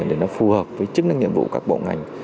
để nó phù hợp với chức năng nhiệm vụ các bộ ngành